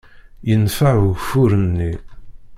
Yenfeε ugeffur-nni.